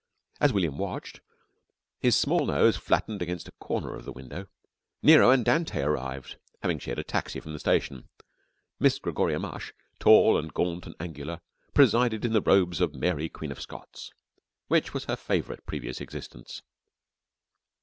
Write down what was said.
As William watched, his small nose flattened against a corner of the window, Nero and Dante arrived, having shared a taxi from the station. Miss Gregoria Mush, tall and gaunt and angular, presided in the robes of Mary, Queen of Scots, which was her favourite previous existence.